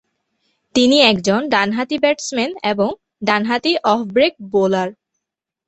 তিনি একজন ডানহাতি ব্যাটসম্যান এবং ডানহাতি অফ ব্রেক বোলার।